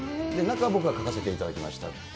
中は僕が描かせていただきました。